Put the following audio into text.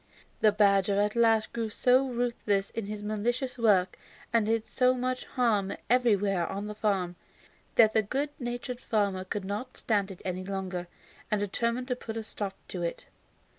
The badger at last grew so ruthless in his mischievous work, and did so much harm everywhere on the farm, that the good natured farmer could not stand it any longer, and determined to put a stop to it.